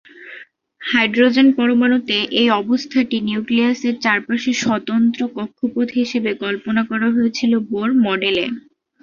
Hydrogen পরমাণুতে এই অবস্থাটি নিউক্লিয়াসের চারপাশে স্বতন্ত্র কক্ষপথ হিসাবে কল্পনা করা হয়েছিল বোর মডেল এ।